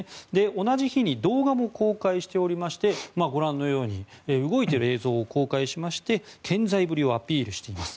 同じ日に動画も公開しておりましてご覧のように動いている映像を公開しまして健在ぶりをアピールしています。